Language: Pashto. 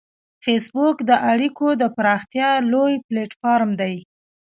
فېسبوک د اړیکو د پراختیا لوی پلیټ فارم دی